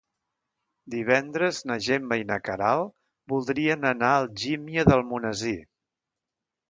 Divendres na Gemma i na Queralt voldrien anar a Algímia d'Almonesir.